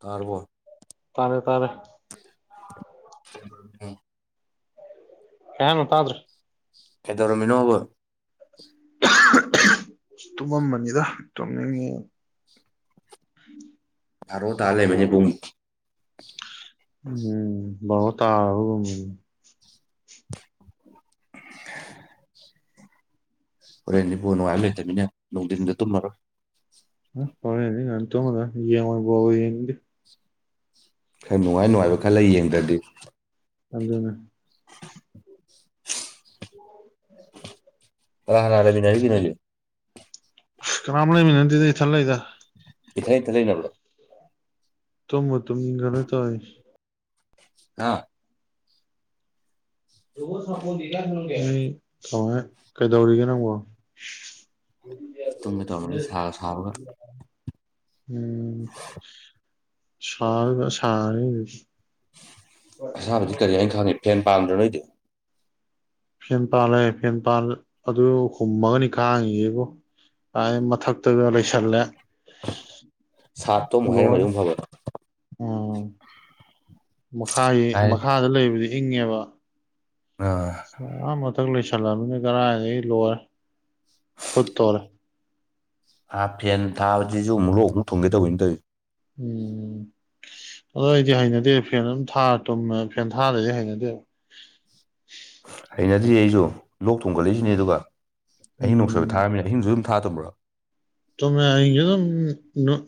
ꯇꯥꯔꯕꯣ ꯇꯥꯔꯦ ꯇꯥꯔꯦ [inaudible] ꯀꯩ ꯍꯥꯏꯅꯣ ꯇꯥꯗ꯭ꯔꯦ ꯀꯩꯗꯧꯔꯝꯃꯤꯅꯣꯕ ꯑ ꯇꯨꯝꯃꯝ ꯃꯅꯤꯗ ꯇꯨꯝꯅꯤꯡꯉꯤ ꯕꯥꯔꯣ ꯇꯥꯔ ꯂꯩꯔꯝꯃꯦꯅꯦ ꯄꯨꯡ ꯎꯝ ꯕꯥꯔꯣ ꯇꯥꯔꯕꯒꯨꯝꯅꯤꯅꯦ ꯍꯣꯔꯦꯟ ꯅꯤꯕꯨ ꯅꯨꯡꯉꯥꯏꯕ ꯂꯩꯇꯕꯃꯤꯅꯦ ꯅꯨꯡꯊꯤꯟꯗ ꯇꯨꯝꯂꯔꯣꯏ ꯑ ꯍꯣꯔꯦꯟꯗꯤ ꯉꯟꯅ ꯇꯨꯝꯃꯗꯧꯅꯤ ꯌꯦꯡꯉꯣꯏ ꯕꯣꯜꯒ ꯌꯦꯡꯅꯤꯡꯗꯦ ꯈꯔ ꯅꯨꯡꯉꯥꯏ ꯅꯨꯡꯉꯥꯏꯕ ꯈꯜꯂ ꯌꯦꯡꯗ꯭ꯔꯗꯤ ꯑꯗꯨꯅꯦ [unintelligible] [inaudible] ꯀꯥꯅꯥ ꯀꯥꯅꯥ ꯂꯩꯃꯤꯟ ꯅꯥꯔꯤꯒꯦ ꯅꯣꯏ ꯑꯅꯤ ꯀꯝ ꯂꯩ ꯃꯤ ꯅꯗ ꯊꯜꯂꯗ ꯏꯊꯟ ꯢꯊꯟ ꯂꯩꯅꯕꯔꯣ ꯇꯃ ꯇꯝ ꯏ ꯈꯅ ꯇꯥꯏ ꯑꯥ ꯊ ꯀꯩꯗꯧꯔꯤꯒꯦ ꯅꯪꯕꯣ ꯇꯨꯝꯒꯦ ꯇꯧꯔꯝꯕꯅꯤ ꯁꯥꯒ ꯁꯥꯕꯒ [unintelligible] ꯎꯝ ꯁ ꯁꯅꯤ ꯑꯁꯥꯕꯗꯤ ꯀꯔꯤ ꯍꯥꯏ ꯈꯥꯪꯏ ꯐꯦꯟ ꯄꯥꯝꯗ꯭ꯔꯣ ꯅꯣꯏꯗꯤ ꯐꯦꯟ ꯄꯥꯜꯂꯦ ꯐꯦꯟ ꯄꯥꯜ ꯑꯗꯨ ꯍꯨꯝꯃꯒꯅꯤ ꯈꯥꯡꯉꯤꯒꯦꯕꯨ ꯀꯥꯏ ꯃꯊꯛꯇꯗ ꯂꯩꯁꯜꯂꯦ ꯁꯥꯠꯇꯣ ꯑꯃꯨꯛ ꯍꯩꯔꯛ ꯃꯗꯤ ꯑꯃꯨꯛ ꯐꯕ ꯑ ꯃꯈꯥꯒꯤ ꯍꯥꯏ ꯃꯈꯥꯗ ꯂꯩꯕꯗꯤ ꯙꯕ ꯑꯥ ꯃ ꯏꯊꯛ ꯂꯣꯏꯁꯜꯂꯃꯤꯅ ꯀꯔꯥꯏꯗꯒꯤ ꯂꯣꯏꯔꯦ ꯐꯨꯠ ꯇꯣꯔꯦ ꯍꯥ ꯐꯦꯟ ꯊꯥꯕꯖꯤꯁꯨ ꯑꯃꯨꯛ ꯂꯣꯛ ꯑꯃꯨꯛ ꯊꯨꯡꯒꯦ ꯇꯧꯋꯤꯅ ꯇꯧꯋꯏꯖꯦ ꯎꯝ ꯑꯗꯣ ꯑꯩꯗꯤ ꯍꯩꯅꯗꯦ ꯐꯦꯟ ꯑꯗꯨꯝ ꯊꯥꯔ ꯇꯨꯝꯃꯦ ꯐꯦꯟ ꯊꯥꯔꯗꯗꯤ ꯍꯩꯅꯗꯦꯕ ꯅꯩꯅꯗ꯭ꯔꯤ ꯑꯩꯁꯨ ꯂꯣꯛ ꯊꯣꯡꯒꯠꯂꯛꯏꯁꯤꯅꯦ ꯑꯗꯨꯒ ꯑꯤꯡ ꯅꯣꯡꯁꯣꯏꯕ ꯊꯥꯔꯝꯃꯤꯅ ꯑꯤꯡꯁꯨ ꯊꯥ ꯇꯨꯝ꯭ꯔꯥ ꯆꯨꯃꯦ ꯑꯌꯤꯡꯁꯨ ꯑꯗꯨꯝ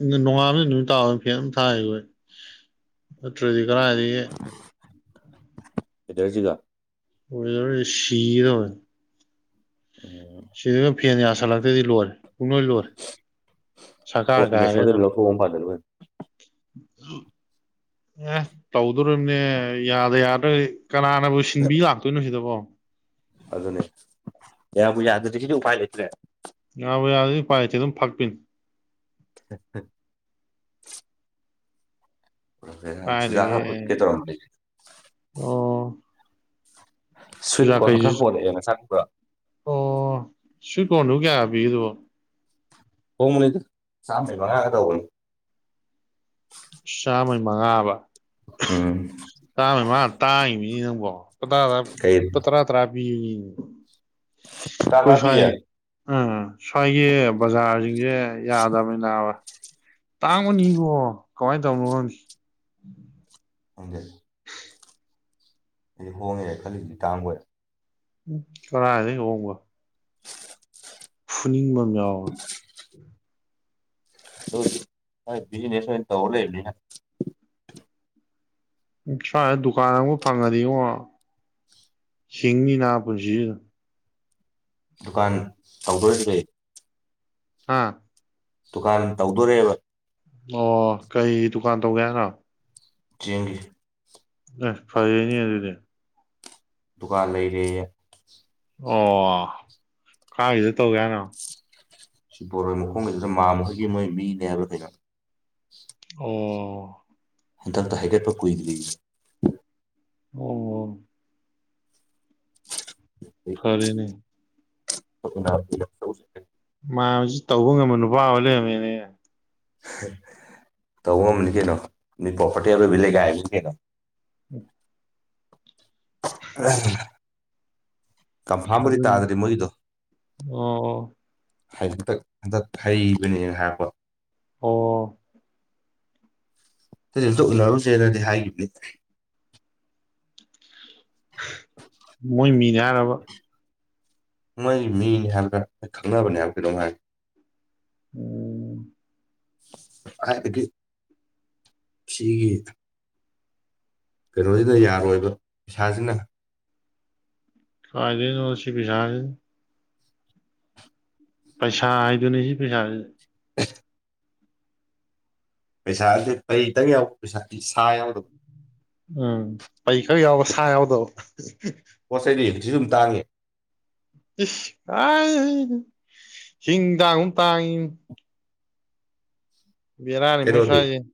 ꯅꯣꯡꯉꯥꯥꯟꯕꯗ ꯑꯗꯨꯃꯤ ꯇꯥꯕ ꯐꯦꯟ ꯑꯗꯨꯝ ꯊꯥꯏ ꯑꯩꯈꯣꯏ ꯅꯠꯇ꯭ꯔꯗꯤ ꯀꯗꯥꯥꯏꯗꯒꯤ ꯏꯗꯔꯁꯤꯒ ꯑꯣꯏ ꯁꯤꯒꯦ ꯇꯧꯋꯦ ꯁꯤꯗꯅ ꯐꯤ ꯑꯅꯤ ꯑꯁꯥ ꯂꯥꯛꯇꯦꯗꯤ ꯂꯣꯏꯔꯦ ꯄꯨꯡꯂꯣꯏ ꯂꯣꯏꯔꯦ ꯄ ꯁꯔꯀꯥꯔ ꯀꯥꯏꯔꯦ ꯃꯦꯁꯣꯟꯗ ꯃꯤ ꯑꯗꯨꯝ ꯂꯊ ꯑꯣꯣꯝꯄꯗꯔꯕ ꯑꯦ ꯇꯧꯗꯣꯔꯤꯝꯅꯦ ꯌꯥꯗ ꯌꯥꯗꯔꯒꯗꯤ ꯀꯅꯥꯅꯕꯨ ꯁꯤꯟꯕꯤ ꯂꯥꯛꯇꯣꯏꯅꯣ ꯁꯤꯗꯕꯣ ꯑꯗꯨꯅꯦ ꯌꯥꯕꯨ ꯌꯥꯗꯔ꯭ꯗꯤ ꯗꯤ ꯎꯄꯥꯥꯏ ꯂꯩꯇ꯭ꯔꯦ ꯌꯥꯕ ꯌꯥꯗ ꯄꯥꯏꯆ ꯑꯗꯨꯝ ꯐꯥꯛꯄꯤꯤꯟ ꯍꯥ ꯍꯥ [unintelligible] ꯀꯥꯏꯗꯒꯤ ꯁꯖꯥꯍ ꯄꯨꯠꯀꯦ ꯇꯧꯔꯝ ꯂꯩ ꯑꯣ ꯁ꯭ꯋꯤꯠ ꯆꯨꯖꯥꯛ ꯀꯣꯔꯟ ꯀꯩꯁꯤ ꯈꯔ ꯄꯣꯔꯛꯑꯦ ꯅꯥ ꯁꯥꯠꯄ ꯁꯋꯤꯠ ꯀꯣꯟ ꯗꯨꯕꯨ ꯀꯌꯥꯒꯥ ꯄꯤꯒꯦ ꯗꯨꯕꯣ ꯍꯣꯡ ꯃꯅꯤꯗ ꯆꯥꯝꯃꯩ ꯃꯉꯥꯒ ꯇꯧꯕꯅꯤ ꯆꯥꯝꯃꯩ ꯃꯉꯥ ꯑꯥꯕ ꯎꯝ ꯇꯥꯕꯅ ꯃꯥꯅ ꯇꯥꯏꯝ ꯅꯤꯅꯦ ꯅꯪꯕꯣ ꯄ [unintelligible] ꯄ ꯇꯔꯥ ꯇꯔꯥ [unintelligible] ꯑꯩꯈꯣꯏ ꯇꯔꯥꯄꯤ ꯌꯦ ꯁ꯭ꯋꯥꯏ ꯎꯝ ꯁ꯭ꯋꯥꯏꯒꯤ ꯕꯖꯥꯔꯁꯤꯡꯁꯦ ꯌꯥꯗꯕꯅꯤ ꯅꯥꯕꯥ ꯇꯥꯡꯕꯅꯤ ꯕꯣ ꯀꯃꯥꯏꯅ ꯇꯧꯕꯅꯣ ꯈꯪꯗꯦ ꯐꯪꯗꯦ ꯑꯩꯗꯤ ꯍꯣꯡꯉꯦꯅ ꯈꯜꯂꯤꯁꯤꯗꯤ ꯇꯥꯡꯕꯣꯏꯔꯦ ꯎꯝ ꯀꯔꯥꯏꯗꯩꯩ ꯍꯣꯡꯕ ꯐꯨꯅꯤꯡꯕ [unintelligible] ꯑꯗꯨꯕꯨꯗꯤ ꯃꯥꯏ ꯕꯤꯖꯤꯅꯦꯁ ꯑꯣꯏꯅ ꯇꯧꯔ ꯂꯩꯕꯅꯤꯅ ꯎꯝ ꯁ꯭ꯋꯥꯏꯗ ꯗꯨꯀꯥꯟ ꯑꯃꯒ ꯐꯪꯉꯗꯤꯉꯣ ꯍꯤꯡꯅꯤꯅꯥ ꯄꯨꯟꯁꯤꯁꯤꯗ ꯗꯨꯀꯥꯟ ꯇꯧꯗꯣꯏ ꯁꯤꯗꯤ ꯑꯥ ꯗꯨꯀꯥꯟ ꯇꯧꯗꯣꯔꯦꯕ ꯑꯣ ꯀꯩ ꯗꯨꯀꯥꯟ ꯇꯧꯒꯦ ꯍꯥꯏꯅ ꯆꯦꯡꯒꯤ ꯑꯦ ꯐꯩꯑꯦꯅꯦ ꯑꯗꯨꯗꯤ ꯗꯨꯀꯥꯟ ꯂꯩꯔꯦꯌꯦ ꯑꯣ ꯀꯥꯏꯗ ꯇꯧꯒꯦ ꯍꯥꯏꯅꯣ ꯁꯤ ꯕꯣꯔꯣꯏ ꯃꯈꯣꯡ ꯂꯩꯗꯨꯅ ꯃꯥꯃ ꯈꯩꯒꯤ ꯃꯣꯏ ꯃꯤꯅꯦ ꯍꯥꯏꯕ꯭ꯔꯥ ꯑꯩꯅꯣ ꯑꯣ ꯍꯦꯟꯊꯟꯇ ꯍꯥꯏꯒꯠꯄ ꯀꯨꯏꯗꯔ꯭ꯤ ꯑꯣ ꯐꯔꯦꯅꯦ [unintelligible] ꯃꯥꯃꯥ ꯁꯤꯖꯨ ꯇꯧꯕ ꯉꯝꯕ ꯅꯨꯄꯥ ꯑꯣꯏ ꯂꯩꯔꯝꯃꯦꯅꯦ ꯇꯧꯕ ꯉꯝꯕꯅꯤ ꯀꯩꯅꯣ ꯃꯤ ꯄꯣꯄꯔꯇꯤ ꯑꯔꯣꯏꯕꯤ ꯂꯩꯒꯥꯏꯕꯤꯅꯤ ꯀꯩꯅꯣ [unintelligible] ꯀꯝꯐꯥꯝꯕꯨꯗꯤ ꯑꯗꯨꯅꯤ ꯇꯥꯗ꯭ꯔꯤ ꯃꯣꯏꯗꯣ ꯑꯣ ꯍꯥꯏꯇꯛ ꯍꯟꯗꯛ ꯍꯩꯕꯅꯦꯅ ꯍꯥꯏꯔꯛꯄ ꯑꯣ ꯑꯩꯅꯁꯨ ꯎꯅꯔꯨꯁꯦ ꯅꯗꯤ ꯍꯥꯏꯈꯤꯕꯅꯤ ꯃꯣꯏ ꯃꯤꯅꯦ ꯌꯥꯕ ꯃꯣꯏ ꯃꯤꯅꯦ ꯍꯥꯏꯕ꯭ꯔꯥ ꯈꯪꯅꯕꯅꯦ ꯍꯥꯏꯕ꯭ꯔꯥ ꯀꯩꯅꯣꯝ ꯍꯥꯏ ꯎꯝ ꯍꯥꯏꯕꯗꯤ ꯁꯤꯒꯤ ꯀꯩꯅꯣꯖꯤꯅ ꯌꯥꯔꯣꯏꯕ ꯄꯩꯁꯥꯁꯤꯅ ꯀꯥꯏꯗꯩꯅꯣ ꯁꯤ ꯄꯁꯥ ꯄꯩꯁꯥ ꯍꯥꯏꯗꯨꯏꯅꯦ ꯁꯤ ꯄꯩꯁꯥ [unintelligible] ꯄꯩꯁꯥꯗꯤ ꯀꯔꯤ ꯈꯤꯇꯪ ꯌꯥꯎ ꯄꯩꯁꯥ ꯁꯥ ꯌꯥꯎꯗꯕ ꯎꯝ ꯄꯩꯈꯛ ꯌꯥꯎꯕ ꯁꯥ ꯌꯥꯎꯗꯕ ꯀꯣꯁꯩꯗꯤ ꯁꯤꯁꯨ ꯑꯗꯨꯝ ꯇꯥꯡꯉꯦ [unintelligible] ꯍꯤꯡ ꯇꯥꯡꯒꯨꯝ ꯇꯥꯡꯢ ꯕꯤꯔꯥꯅꯤ ꯃꯣꯏ ꯀꯩꯅꯣꯗꯤ ꯁ꯭ꯋꯥꯁꯧ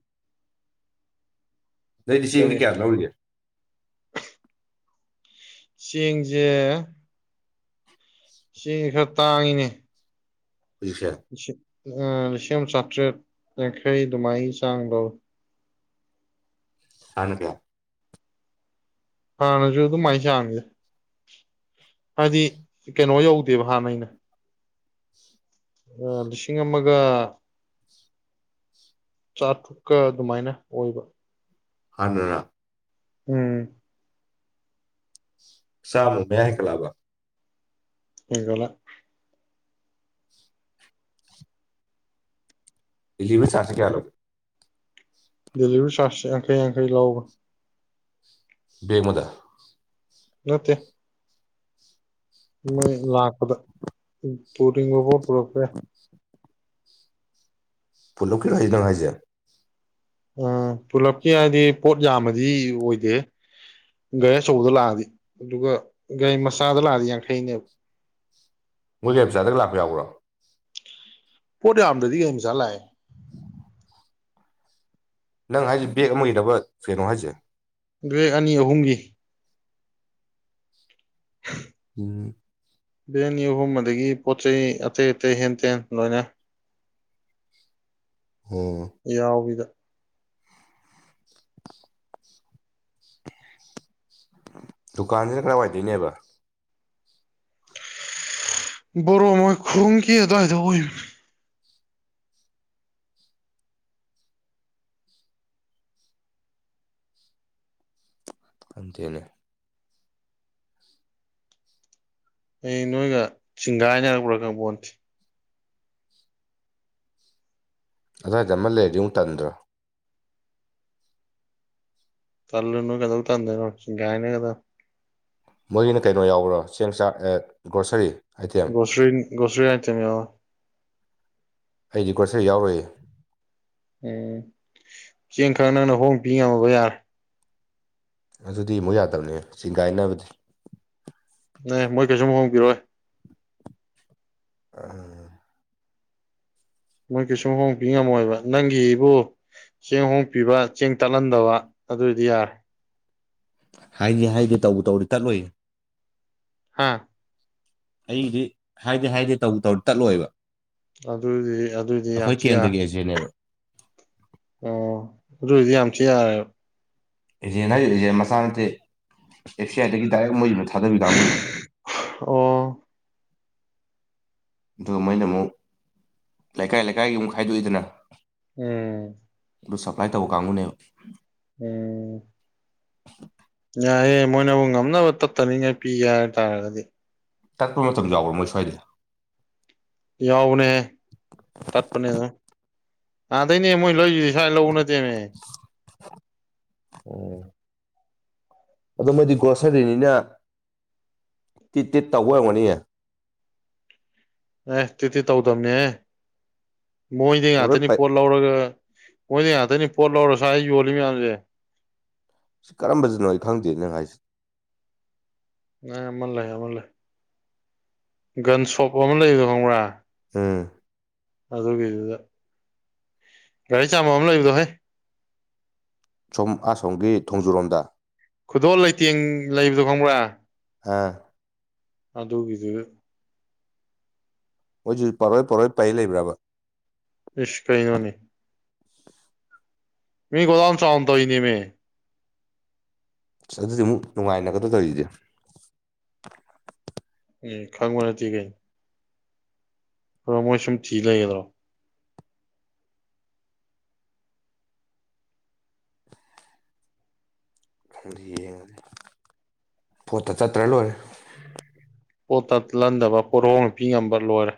ꯅꯪꯗ ꯆꯦꯡꯗꯤ ꯀꯔꯤ ꯀꯌꯥ ꯂꯧꯔꯤꯒꯦ ꯆꯦꯡꯁꯦ ꯁꯤꯅꯤ ꯈꯔ ꯇꯥꯡꯉꯤꯅꯦ ꯄꯩꯁꯌꯥ [unintelligible] ꯂꯤꯁꯤꯡ ꯂꯤꯁꯤꯡ ꯑꯝ ꯆꯥꯇ꯭ꯔꯦꯠ ꯌꯥꯡꯈꯩ ꯗꯨꯃꯥꯏ ꯆꯥꯡꯗꯧ ꯊꯅ ꯀ [unintelligible] ꯍꯥꯟꯅꯁꯨ ꯑꯗꯨ ꯃꯥꯏꯅ ꯆꯥꯡꯁꯦ ꯍꯥꯏꯗꯤ ꯀꯩꯅꯣ ꯌꯧꯗꯦꯕ ꯍꯥꯟꯅꯩꯅ ꯑ ꯂꯤꯁꯤꯡ ꯑꯃꯒ ꯆꯥꯇ꯭ꯔꯨꯛꯀ ꯑꯗꯨꯃꯥꯏꯅ ꯑꯣꯏꯕ ꯍꯥꯟꯅꯅ ꯎꯝ ꯆꯥꯕꯂ ꯃꯌꯥꯏ ꯍ‌ꯦꯟꯒꯠꯂꯕ ꯍꯒꯠꯂꯦ ꯗꯤꯂꯤꯚꯔꯤ ꯆꯥꯔꯁꯁꯤ ꯀꯌꯥ ꯂꯧꯒ‌ꯦ ꯗꯤꯂꯤꯚꯔꯤ ꯆꯥꯔꯁ ꯌꯥꯡꯈꯩ ꯌꯥꯡꯈꯩ ꯂꯧꯕꯅꯤ ꯕꯦꯃꯗꯥ ꯅꯠꯇꯦ ꯃꯣꯏ ꯂꯥꯛꯄꯗ ꯎꯝ [unintelligible] ꯄꯨꯂꯞꯀꯤꯔꯣ ꯍꯥꯏꯗꯤ ꯅꯪ ꯍꯥꯏꯁꯦ ꯑ ꯄꯨꯂꯞꯀꯤ ꯍꯥꯏꯗꯤ ꯄꯣꯠ ꯌꯥꯝꯕꯗꯤ ꯑꯣꯏꯗꯦꯍꯦ ꯒꯥꯔꯤ ꯑꯆꯧꯕꯗ ꯂꯥꯛꯑꯗꯤ ꯑꯗꯨꯒ ꯒꯥꯔꯤ ꯃꯆꯥꯗ ꯂꯥꯛꯑꯗꯤ ꯌꯥꯡꯈꯩꯅꯦꯕ ꯃꯣꯏꯒꯤ ꯒꯔꯤꯃꯆꯥꯗꯒ ꯂꯥꯛꯄ ꯌꯥꯎꯕ꯭ꯔꯣ ꯄꯣꯠ ꯌꯥꯝꯗ꯭ꯔꯗꯤ ꯒꯔꯤ ꯃꯆꯥ ꯂꯥꯛꯑꯦ ꯅꯪ ꯍꯥꯏꯁꯦ ꯕꯦꯛ ꯑꯃꯒꯤꯗꯅꯕ ꯀꯩꯅꯣ ꯍꯥꯏꯁꯦ ꯒ꯭ꯔ‌ꯦ ꯑꯅꯤ ꯑꯍꯨꯝꯒꯤ ꯍ ꯎꯝ ꯕꯦꯛ ꯑꯅꯤ ꯑꯍꯨꯝ ꯑꯗꯒꯤ ꯄꯣꯠ ꯆꯩ ꯑꯇꯩ ꯑꯇꯩ ꯍꯦꯟ ꯇꯦꯟ ꯂꯣꯏꯅ ꯑꯣ ꯌꯥꯎꯕꯤꯗ [unintelligible] ꯗꯨꯀꯥꯟꯁꯤꯅ ꯀꯗꯥꯏꯋꯥꯏꯗꯩꯅꯦꯕ ꯕꯣꯔꯣ ꯃꯣꯏꯈꯨꯡꯒꯤ ꯑꯗꯌꯥꯢꯗ ꯑꯣꯢꯕꯅꯤ ꯑꯇꯦꯅꯦ ꯑꯩ ꯅꯣꯏꯒ ꯆꯤꯡꯒꯥꯏꯅ ꯍꯥꯏꯔꯛꯄ꯭ꯔꯥ ꯀꯥꯡꯄꯣꯟꯁꯤ ꯑꯗꯨ꯭ꯏꯗꯃ ꯂꯩꯗꯤꯨꯛ ꯇꯟꯗ꯭ꯔꯣ ꯀꯂꯅ ꯀꯗꯕꯨ ꯊꯥꯗꯅꯒꯅꯦ ꯀꯗ ꯃꯣꯏꯒꯤꯅ ꯀꯩꯅꯣ ꯌꯥꯎꯕ꯭ꯔꯣ ꯆꯦꯡ ꯆꯥꯛ ꯑꯦꯠ ꯒ꯭ꯔꯣꯁꯔꯤ ꯑꯥꯏꯇꯦꯝ ꯁꯔꯤ ꯨꯁꯔꯤ ꯌꯥ ꯊ ꯌꯥ ꯑꯩꯗꯤ ꯀꯣꯠꯆꯔ ꯌꯥꯎꯔꯛꯏ ꯎꯝ ꯆꯦꯡ ꯈꯔ ꯅꯪꯅ ꯍꯣꯡ ꯄꯤ ꯉꯝꯃꯕ ꯌꯥꯔꯦ ꯑꯗꯨꯗꯤ ꯑꯃꯨꯛ ꯌꯥꯗꯕꯅꯦ ꯆꯤꯡꯒꯥꯏꯅꯕꯗꯤ ꯑꯦ ꯃꯣꯏ ꯀꯩꯁꯨꯨꯝꯨ ꯍꯣꯡꯕꯤꯔꯛꯣꯏ ꯑ ꯃꯣꯏ ꯀꯩꯁꯨꯝ ꯍꯣꯡꯕꯤ ꯉꯝꯃꯣꯏꯕ ꯅꯪꯒꯤꯕꯨ ꯆꯦꯡ ꯍꯣꯡꯄꯤꯕ ꯆꯦꯡ ꯇꯥꯛꯍꯟꯗꯕ ꯑꯗꯨꯏꯗꯤ ꯌꯥꯔꯦ ꯍꯥꯏꯒꯦ ꯍꯥꯏꯒꯦ ꯇꯧꯕ ꯇꯧꯔꯤ ꯇꯠꯂꯨꯏ ꯍꯥꯥ ꯑꯩꯗꯤ ꯍꯥꯏꯗꯤꯦ ꯍꯥꯏꯗꯤꯦ ꯇꯧ ꯇꯧ ꯇꯠꯂꯣꯏꯕ ꯑꯗꯨꯗꯤ ꯑꯗꯨꯗꯤ ꯌꯥꯝ ꯑꯩꯈꯣꯏ ꯊꯤꯌꯥ ꯀꯦꯟꯗ꯭ꯔꯒꯤ ꯑꯦꯖꯦꯟꯅꯦꯕ ꯑꯣ ꯔꯨꯖꯤ ꯑꯁꯤ ꯌꯥ ꯏꯖꯦꯅ ꯍꯥꯏ ꯏꯖꯦ ꯃꯁꯆꯥ ꯅꯠꯇꯦ ꯑꯦꯐ ꯁꯤ ꯑꯥꯏꯗꯒꯤ ꯗꯥꯏꯔꯦꯛ ꯃꯣꯏꯕ ꯅꯠꯇꯦ ꯁꯥꯗ ꯂꯥꯡꯃꯣꯗ ꯑꯣ ꯑ ꯃꯣꯏꯅ ꯑꯃꯨꯛ ꯂꯩꯀꯥꯏ ꯂꯩꯀꯥꯏꯒꯤ ꯑꯃꯨꯛ ꯈꯥꯏꯗꯣꯛꯏꯗꯅ ꯎꯝ ꯑꯗꯨ ꯁꯞꯄ꯭ꯂꯥꯏ ꯇꯧꯕ ꯀꯥꯡꯕꯨꯅꯦꯕ ꯎꯝ ꯌꯥꯏꯑꯦ ꯃꯣꯏꯅꯕꯨ ꯉꯝꯅꯕ ꯇꯠꯇꯅꯤꯡꯉꯥꯏ ꯄꯤꯒꯦ ꯍꯥꯏ ꯇꯥꯔꯒꯗꯤ ꯇ ꯄ ꯃ ꯃꯇꯝ ꯌꯥꯕꯔ ꯃꯣꯏꯁ ꯍꯥꯏꯗ ꯌꯥꯎꯅꯦ ꯇꯠꯄꯅꯤ ꯑꯗꯨ ꯑꯥꯗꯩꯅꯦ ꯃꯣꯏ ꯂ ꯁꯥꯏ ꯂꯧꯕ ꯅꯠꯇꯦ ꯑꯗꯨ ꯃꯣꯏꯗꯤ ꯒ꯭ꯔꯣꯁꯔꯤꯅꯤꯅ ꯇꯤꯠ ꯇꯤꯠ ꯇꯧꯕ ꯑꯣꯏꯔꯝꯒꯅꯤꯌꯦ ꯑꯦ ꯇꯤꯇꯤ ꯇꯧꯗꯝꯕꯅꯦ ꯑꯦꯦ ꯃꯣꯏꯗꯤ ꯄꯣꯔ ꯉꯥꯛꯇꯅꯤ ꯄꯩ ꯄꯣꯠ ꯂꯧꯔꯒ ꯃꯣꯏꯗꯤ ꯉꯥꯛꯇꯅꯤ ꯄꯣꯠ ꯂꯧꯔꯁ ꯑꯩ ꯌꯣꯜꯂꯤ ꯃꯌꯥꯝꯁꯦ ꯁꯤ ꯀꯔꯝꯕꯕꯁꯤꯅꯣ ꯑꯩ ꯈꯪꯗꯦ ꯅꯪ ꯍꯥꯏꯁꯤ ꯑꯃꯜ ꯂꯩ ꯑꯃꯃꯜ ꯂꯩꯦ ꯒꯟ ꯁꯣꯞ ꯑꯃ ꯂꯩꯒ ꯈꯪꯕ꯭ꯔꯥ ꯑꯝ ꯑꯗꯔꯒꯗꯨꯗ ꯒꯥꯔꯤ ꯆꯥꯝꯃ ꯑꯃ ꯂꯩꯕꯗꯣ ꯍꯣꯏ ꯁꯣꯝ ꯑꯁꯣꯝꯒꯤ ꯊꯣꯡꯖꯨꯔꯣꯝꯗ ꯈꯨꯗꯣꯜ ꯂꯩꯇꯦꯡ ꯂꯩꯕꯗꯣ ꯈꯪꯕ꯭ꯔꯥ ꯍꯥꯥ ꯑꯗꯣ ꯏꯗ ꯍꯣꯏꯖ ꯄꯔꯣꯏ ꯄꯔꯣꯏ ꯄꯥꯏ ꯂꯩꯕ꯭ꯔꯕ ꯏꯁ ꯀꯥꯏꯩꯅꯣꯅꯤ ꯃꯤ ꯣꯗꯥꯝ ꯆꯟꯇꯣ ꯏꯅꯤꯃꯦ ꯑꯁ ꯑꯗꯨꯗꯤ ꯑꯃꯨꯛ ꯅꯨꯡꯉꯥꯏꯅꯒꯗꯧ ꯇꯧꯔꯤꯗꯤꯦ ꯎꯝ ꯈꯪꯕꯅꯠꯇ ꯀꯩꯅ ꯑꯣꯃꯣꯁꯝ ꯆꯤꯂ ꯌꯦꯗꯣ ꯈꯪ ꯌꯦꯡꯉꯗꯤ ꯄꯣꯠꯇ ꯆꯠꯇ꯭ꯔ ꯂꯣꯏꯔꯦ ꯄꯣꯠꯇ ꯂꯟꯗꯕ ꯄꯣꯣꯔꯍꯣꯡꯄꯤ ꯉꯝꯕ ꯂꯣꯏꯔꯦ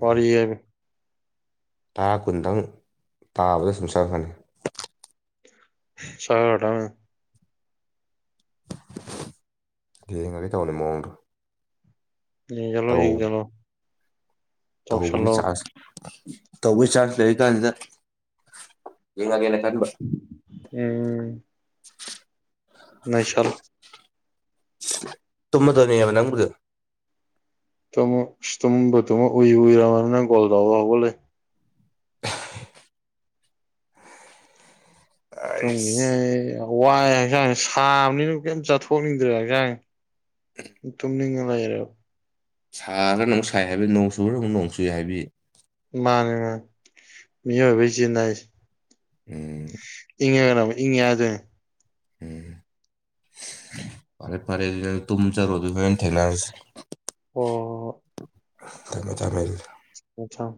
ꯎꯝ ꯇꯔꯥ ꯀꯨꯟꯗꯪ ꯇꯥꯕꯗ ꯁꯨꯝ ꯆꯠꯂꯛꯀꯅꯤ ꯁꯥꯔ ꯑꯥꯦ ꯌꯦꯡꯉꯒꯦ ꯇꯧꯕꯅꯤ ꯃꯑꯣꯡꯗꯣ ꯌꯦ ꯀꯂꯣ ꯌꯦ ꯇꯧ ꯀꯩꯅꯣ ꯇꯧꯕꯒꯤ ꯆꯥꯔꯖ ꯇꯧꯕꯣꯏ ꯆꯥꯥꯟꯁ ꯂꯩꯕ ꯀꯅꯗ ꯌꯦꯉꯒ ꯎꯝ ꯅꯁꯜ ꯇꯃ ꯇꯅꯤꯕ ꯅꯪꯒ ꯇꯃ ꯇꯕ ꯇꯃ ꯎꯏ ꯎꯏꯔ ꯃꯅ ꯣꯜꯗꯕ ꯍꯕ ꯂꯩ ꯇꯨꯡꯉꯤꯉ ꯑꯩꯁ ꯋꯥꯏꯑ ꯍꯛꯆꯥꯡ ꯁꯥꯕꯅꯤꯅ ꯀꯩꯝ ꯆꯠꯊꯣꯛꯅꯤꯡꯗ꯭ꯔꯦ ꯍꯛꯆꯥꯡ ꯇꯨꯝꯅꯤꯡꯉ ꯂꯩꯔꯦꯕ ꯁꯥꯔ꯭ꯔꯥ ꯅ ꯑꯃꯨꯛ ꯁꯥꯏ ꯍꯥꯏꯕꯤ ꯅꯣꯡ ꯁꯨꯕ꯭ꯔꯥ ꯑꯃꯨꯛ ꯅꯣꯡ ꯁꯨꯏ ꯍꯥꯏꯕꯤ ꯃꯥꯅꯦ ꯃꯥ ꯃꯤꯑꯣꯏꯕꯩ ꯆꯤꯟꯟꯅꯏꯁꯦ ꯎꯝ ꯏ ꯏ ꯌꯥꯖꯦ ꯎꯝ ꯐꯔꯦ ꯐꯔꯦ ꯑꯗꯨ ꯇꯨꯝ ꯆꯔꯣ ꯑꯗꯨ ꯍ ꯊꯦꯡꯅꯔꯁꯤ ꯑꯣ ꯇꯃꯦ ꯇꯃꯦꯜ ꯑꯆꯥꯥ